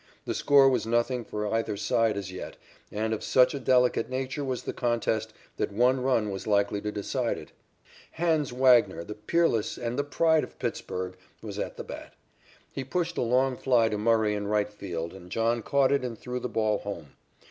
The score was nothing for either side as yet, and of such a delicate nature was the contest that one run was likely to decide it. "Hans" Wagner, the peerless, and the pride of Pittsburg, was at the bat. He pushed a long fly to Murray in right field, and John caught it and threw the ball home.